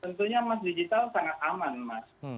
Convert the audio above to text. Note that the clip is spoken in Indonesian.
tentunya emas digital sangat aman mas